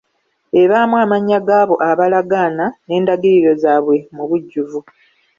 Ebaamu amannya g'abo abalagaana n'endagiriro zaabwe mu bujjuvu.